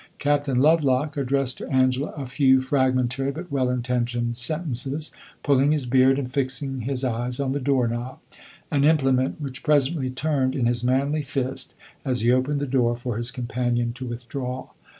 Captain Lovelock addressed to Angela a few fragmentary, but well intentioned sentences, pulling his beard and fixing his eyes on the door knob an implement which presently turned in his manly fist, as he opened the door for his companion to withdraw.